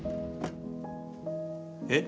えっ？